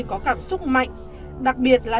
có cảm xúc mạnh đặc biệt là